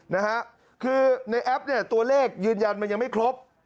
นะฮะคือในแอปเนี่ยตัวเลขยืนยันมันยังไม่ครบ